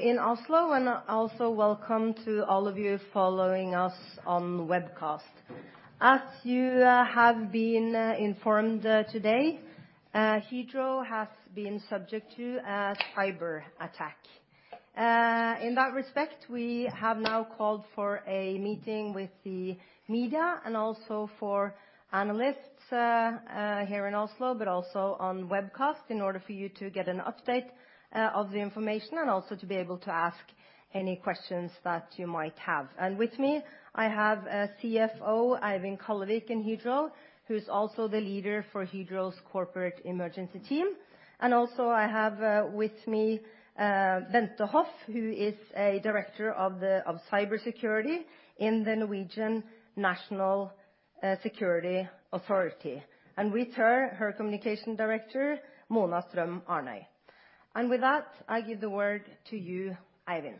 Welcome, all of you in Oslo, and also welcome to all of you following us on webcast. As you have been informed today, Hydro has been subject to a cyberattack. In that respect, we have now called for a meeting with the media and also for analysts here in Oslo, but also on webcast, in order for you to get an update of the information and also to be able to ask any questions that you might have. With me, I have a CFO, Eivind Kallevik in Hydro, who's also the leader for Hydro's corporate emergency team. Also I have with me, Bente Hoff, who is a Director of Cybersecurity in the Norwegian National Security Authority. With her Communication Director, Mona Strøm Arnøy. With that, I give the word to you, Eivind.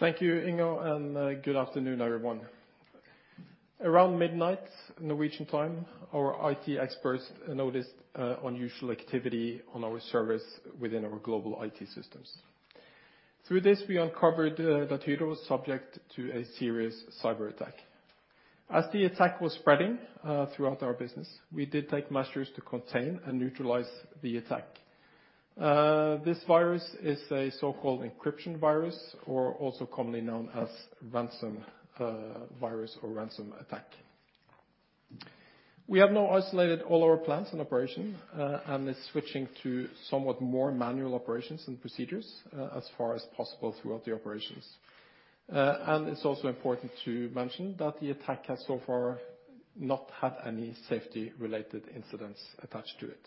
Thank you, Inga, and good afternoon, everyone. Around midnight Norwegian time, our IT experts noticed unusual activity on our servers within our global IT systems. Through this, we uncovered that Hydro was subject to a serious cyberattack. As the attack was spreading throughout our business, we did take measures to contain and neutralize the attack. This virus is a so-called encryption virus, or also commonly known as ransom virus or ransom attack. We have now isolated all our plants and operation, and is switching to somewhat more manual operations and procedures, as far as possible throughout the operations. It's also important to mention that the attack has so far not had any safety-related incidents attached to it.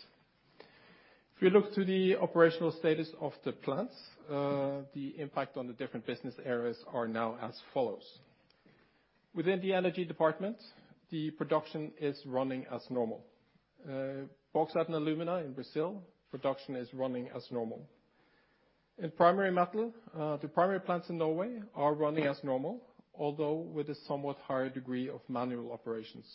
If you look to the operational status of the plants, the impact on the different business areas are now as follows. Within the energy department, the production is running as normal. Bauxite & Alumina in Brazil, production is running as normal. In Primary Metal, the primary plants in Norway are running as normal, although with a somewhat higher degree of manual operations.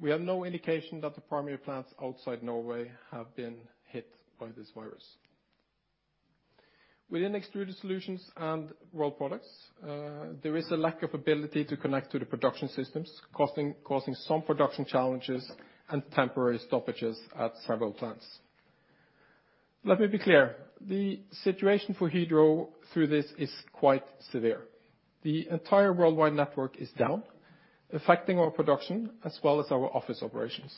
We have no indication that the primary plants outside Norway have been hit by this virus. Within Extruded Solutions and Rolled Products, there is a lack of ability to connect to the production systems, causing some production challenges and temporary stoppages at several plants. Let me be clear. The situation for Hydro through this is quite severe. The entire worldwide network is down, affecting our production as well as our office operations.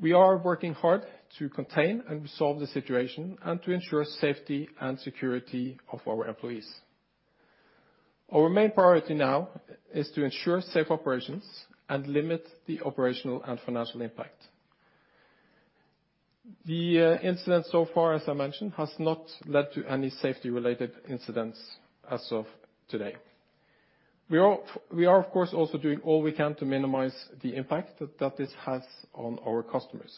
We are working hard to contain and resolve the situation and to ensure safety and security of our employees. Our main priority now is to ensure safe operations and limit the operational and financial impact. The incident so far, as I mentioned, has not led to any safety-related incidents as of today. We are of course also doing all we can to minimize the impact that this has on our customers.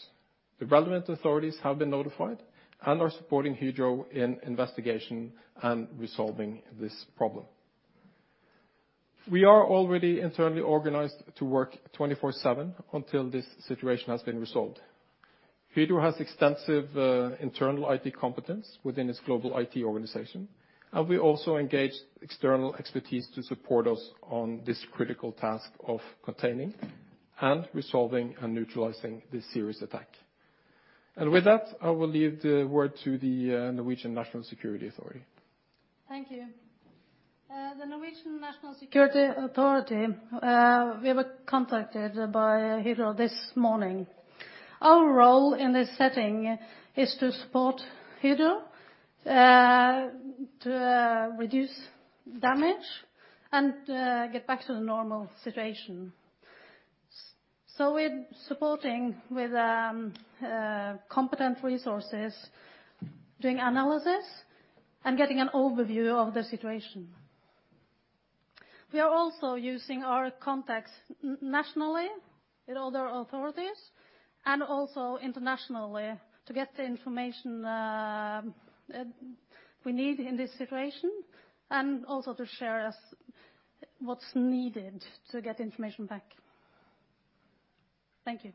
The relevant authorities have been notified and are supporting Hydro in investigation and resolving this problem. We are already internally organized to work 24/7 until this situation has been resolved. Hydro has extensive internal IT competence within its global IT organization, we also engaged external expertise to support us on this critical task of containing and resolving and neutralizing this serious attack. With that, I will leave the word to the Norwegian National Security Authority. Thank you. The Norwegian National Security Authority, we were contacted by Hydro this morning. Our role in this setting is to support Hydro, to reduce damage and get back to the normal situation. We're supporting with competent resources, doing analysis and getting an overview of the situation. We are also using our contacts nationally with other authorities and also internationally to get the information, we need in this situation and also to share as what's needed to get information back. Thank you.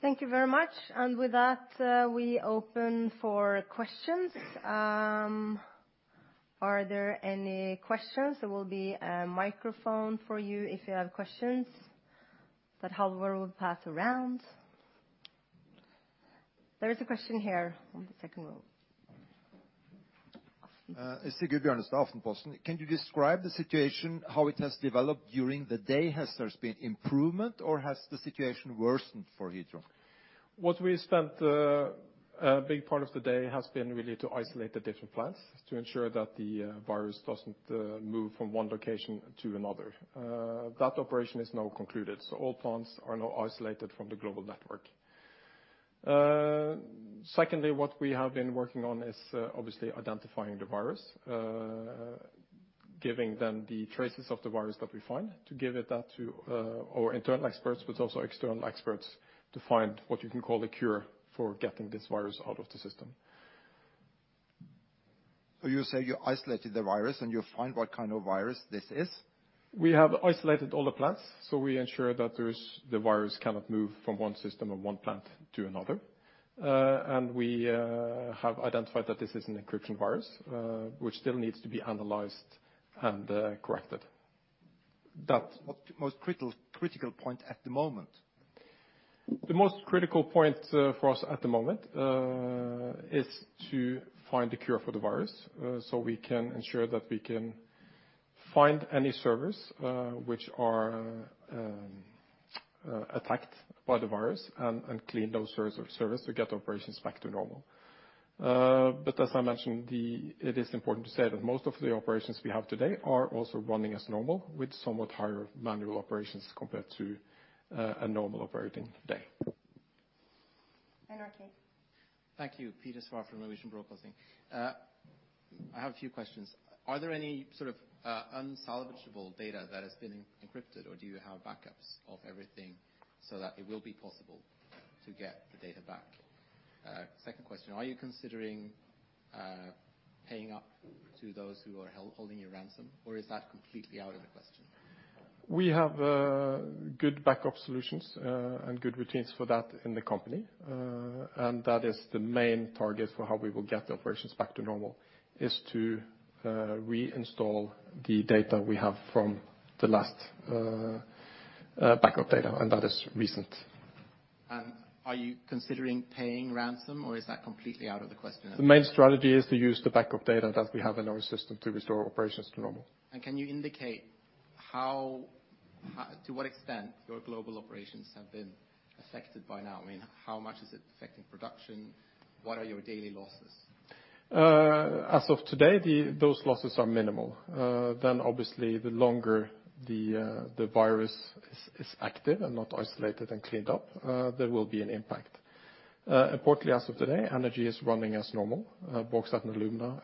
Thank you very much. With that, we open for questions. Are there any questions? There will be a microphone for you if you have questions that Halvor will pass around. There is a question here on the second row. It's Sigbjørn of Aftenposten. Can you describe the situation, how it has developed during the day? Has there's been improvement, or has the situation worsened for Hydro? What we spent, a big part of the day has been really to isolate the different plants to ensure that the virus doesn't move from one location to another. That operation is now concluded. All plants are now isolated from the global network. Secondly, what we have been working on is obviously identifying the virus, giving them the traces of the virus that we find to give it that to our internal experts, but also external experts to find what you can call a cure for getting this virus out of the system. You say you isolated the virus, and you find what kind of virus this is? We have isolated all the plants, so we ensure that there's, the virus cannot move from one system or one plant to another. We have identified that this is an encryption virus, which still needs to be analyzed and corrected. What's the most critical point at the moment? The most critical point for us at the moment is to find a cure for the virus so we can ensure that we can find any servers which are attacked by the virus and clean those servers to get operations back to normal. As I mentioned, it is important to say that most of the operations we have today are also running as normal with somewhat higher manual operations compared to a normal operating day. NRK. Thank you. Peter Svaar from Norwegian Broadcasting. I have a few questions. Are there any sort of unsalvageable data that has been encrypted, or do you have backups of everything so that it will be possible to get the data back? Second question, are you considering paying up to those who are holding you ransom, or is that completely out of the question? We have good backup solutions, and good routines for that in the company. That is the main target for how we will get the operations back to normal is to reinstall the data we have from the last backup data, and that is recent. Are you considering paying ransom, or is that completely out of the question at this point? The main strategy is to use the backup data that we have in our system to restore operations to normal. Can you indicate how, to what extent your global operations have been affected by now? I mean, how much is it affecting production? What are your daily losses? As of today, the, those losses are minimal. Then obviously, the longer the virus is active and not isolated and cleaned up, there will be an impact. Importantly, as of today, energy is running as normal. Bauxite & Alumina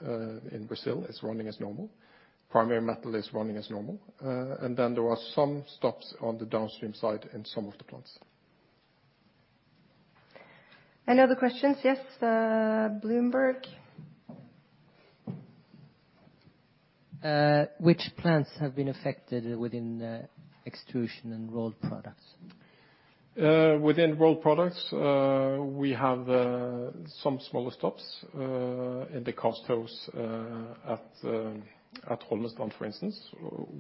in Brazil is running as normal. Primary Metal is running as normal. There are some stops on the downstream side in some of the plants. Any other questions? Yes, Bloomberg. Which plants have been affected within Extrusion and Rolled Products? Within Rolled Products, we have some smaller stops in the cast house at Holmestrand, for instance,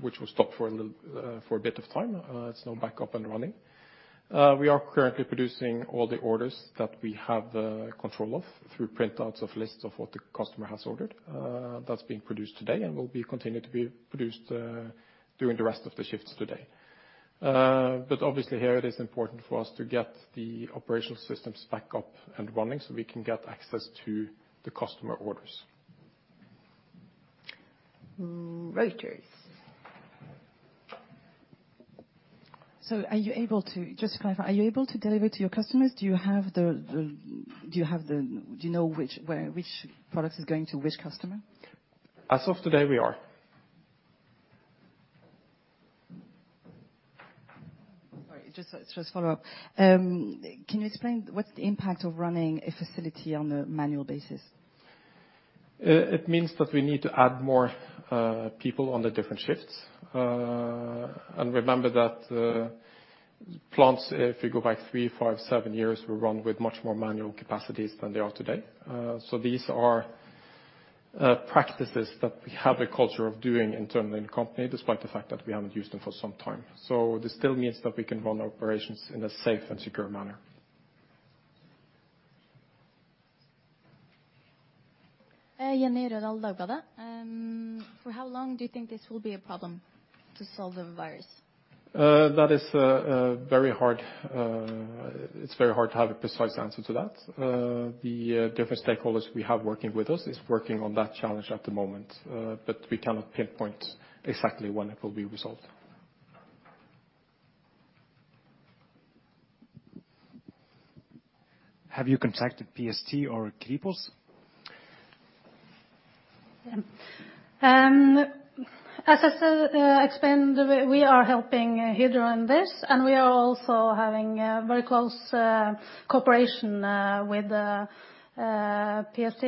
which was stopped for a little for a bit of time. It's now back up and running. We are currently producing all the orders that we have control of through printouts of lists of what the customer has ordered. That's being produced today and will be continued to be produced during the rest of the shifts today. Obviously here it is important for us to get the operational systems back up and running so we can get access to the customer orders. Reuters. Just to clarify, are you able to deliver to your customers? Do you have the, do you know which product is going to which customer? As of today, we are. Sorry, just to follow up. Can you explain what's the impact of running a facility on a manual basis? It means that we need to add more people on the different shifts. Remember that plants, if you go back three, five, seven years, were run with much more manual capacities than they are today. These are practices that we have a culture of doing internally in the company, despite the fact that we haven't used them for some time. This still means that we can run operations in a safe and secure manner. For how long do you think this will be a problem to solve the virus? That is very hard, it's very hard to have a precise answer to that. The different stakeholders we have working with us is working on that challenge at the moment. We cannot pinpoint exactly when it will be resolved. Have you contacted PST or Kripos? As I said, explained, we are helping Hydro in this, and we are also having a very close cooperation with PST,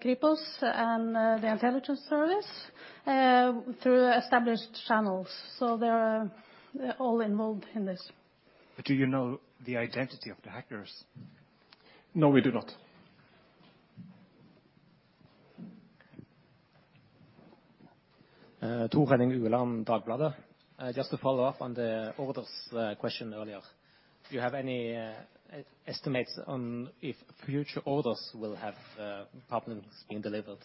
Kripos, and the intelligence service through established channels. They're all involved in this. Do you know the identity of the hackers? No, we do not. Tor Henning Ueland, Dagbladet. Just to follow up on the orders, question earlier. Do you have any, estimates on if future orders will have, problems being delivered?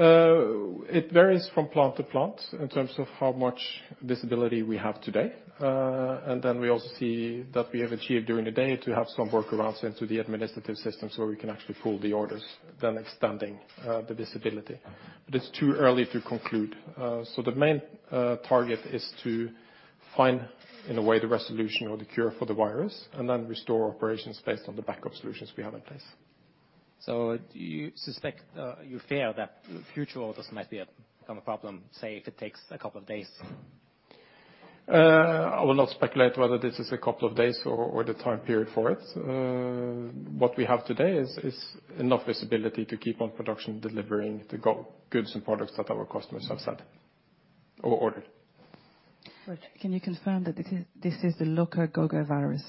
It varies from plant to plant in terms of how much disability we have today. We also see that we have achieved during the day to have some workarounds into the administrative system so we can actually pull the orders, then extending the disability. It's too early to conclude. The main target is to find, in a way, the resolution or the cure for the virus and then restore operations based on the backup solutions we have in place. Do you suspect, you fear that future orders might become a problem, say, if it takes a couple of days? I will not speculate whether this is a couple of days or the time period for it. What we have today is enough visibility to keep on production delivering the go-goods and products that our customers have said or ordered. Can you confirm that this is the LockerGoga virus?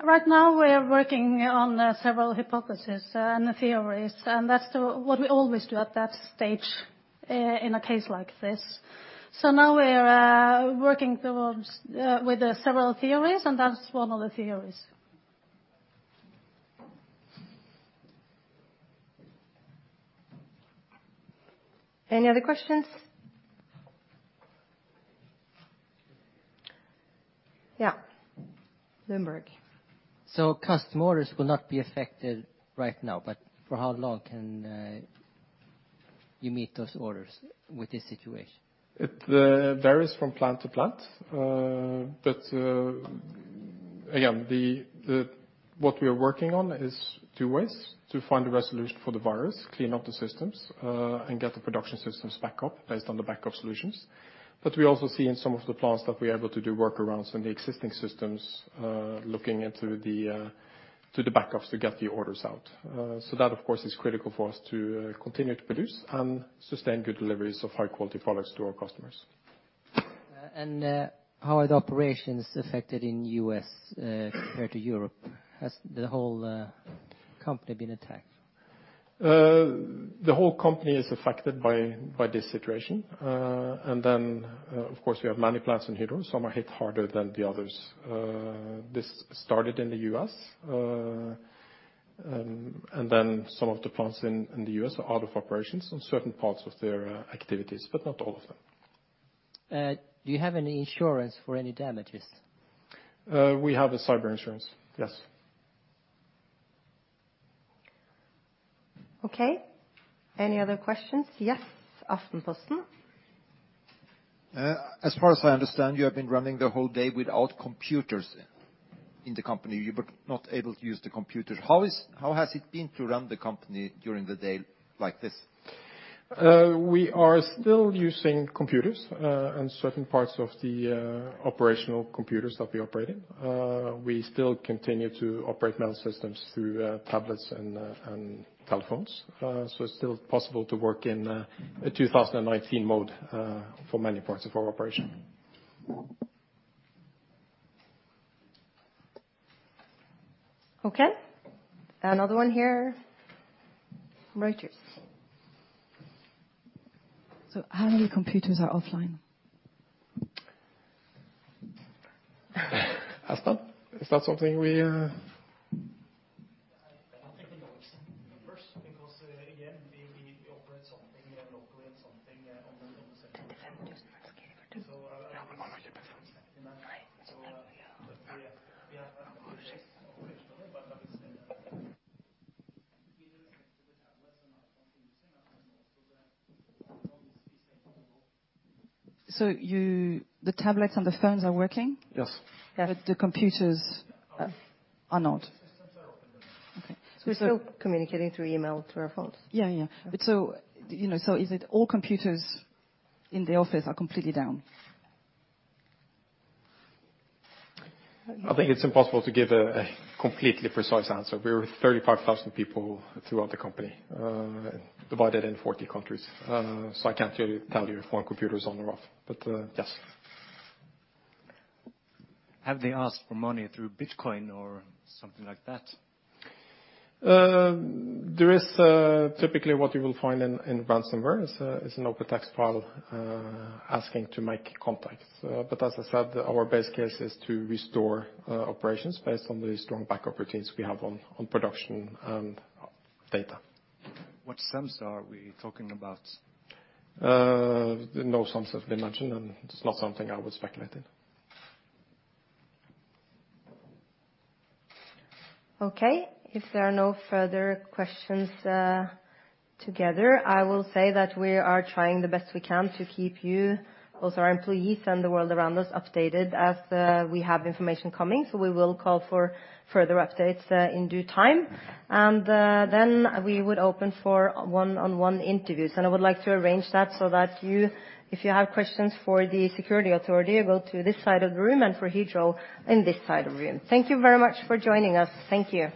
Right now we are working on several hypotheses and theories, that's what we always do at that stage in a case like this. Now we are working towards with the several theories, and that's one of the theories. Any other questions? Yeah. Bloomberg. Customer orders will not be affected right now, but for how long can you meet those orders with this situation? It varies from plant to plant. Again, what we are working on is two ways to find a resolution for the virus, clean up the systems, and get the production systems back up based on the backup solutions. We also see in some of the plants that we are able to do workarounds in the existing systems, looking into the backups to get the orders out. That of course, is critical for us to continue to produce and sustain good deliveries of high quality products to our customers. How are the operations affected in U.S., compared to Europe? Has the whole company been attacked? The whole company is affected by this situation. Of course, we have many plants in Hydro. Some are hit harder than the others. This started in the U.S., some of the plants in the U.S. are out of operations on certain parts of their activities, but not all of them. Do you have any insurance for any damages? We have a cyber insurance, yes. Okay. Any other questions? Yes, Aftenposten. As far as I understand, you have been running the whole day without computers in the company. You were not able to use the computer. How has it been to run the company during the day like this? We are still using computers, and certain parts of the operational computers that we operate in. We still continue to operate main systems through tablets and telephones. It's still possible to work in a 2019 mode for many parts of our operation. Okay. Another one here. Reuters. How many computers are offline? Aston, is that something we. I don't think we know this. First, because, again, we operate something, yeah, locally and something on the system. The tablets and the phones are working? Yes. The computers are not. Okay. We're still communicating through email, through our phones. Yeah, yeah. you know, is it all computers in the office are completely down? I think it's impossible to give a completely precise answer. We're 35,000 people throughout the company, divided in 40 countries. I can't really tell you if 1 computer is on or off. Yes. Have they asked for money through Bitcoin or something like that? Typically, what you will find in ransomware is an open text file, asking to make contacts. As I said, our best case is to restore operations based on the strong backup routines we have on production and data. What sums are we talking about? No sums have been mentioned, and it's not something I would speculate in. Okay. If there are no further questions, together, I will say that we are trying the best we can to keep you, also our employees and the world around us, updated as we have information coming. We will call for further updates in due time. Then we would open for one-on-one interviews. I would like to arrange that so that you, if you have questions for the security authority, go to this side of the room, and for Hydro in this side of the room. Thank you very much for joining us. Thank you